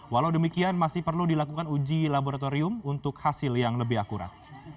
walau demikian masih perlu dilakukan uji laboratorium untuk hasil yang lebih akurat